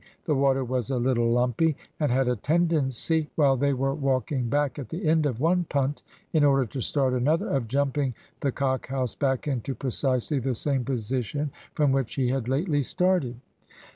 The water was a little lumpy, and had a tendency, while they were walking back at the end of one punt in order to start another, of jumping the "Cock House" back into precisely the same position from which she had lately started.